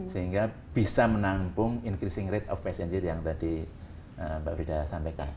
sehingga bisa menampung increasing rate of passenger yang tadi mbak frida sampaikan